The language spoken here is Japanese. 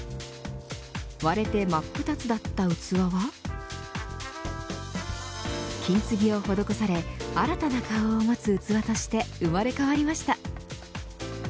折れて、真っ二つだった器は金継ぎを施され新たな顔を持つ器として生まれ変わりました。